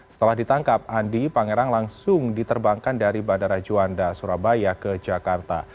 setelah ditangkap andi pangerang langsung diterbangkan dari bandara juanda surabaya ke jakarta